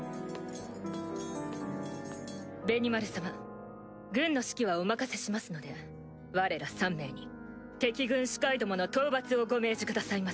ベニマル様軍の指揮はお任せしますのでわれら３名に敵軍首魁どもの討伐をご命じくださいませ。